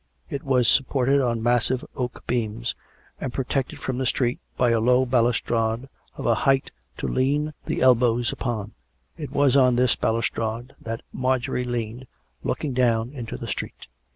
It was supported on massive oak beams, and protected from the street by a low balustrade of a height to lean the elbows upon it. It was on this balustrade that Marjorie leaned, looking down into the street.